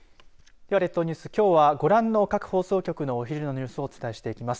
では列島ニュースきょうはご覧の各放送局のお昼のニュースをお伝えしていきます。